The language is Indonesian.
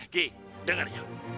ki dengar ya